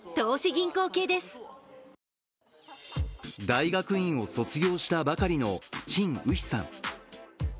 大学院を卒業したばかりの沈雨霏さん。